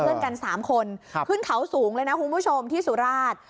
เพื่อนกัน๓คนขึ้นเขาสูงเลยนะคุณผู้ชมที่สุราช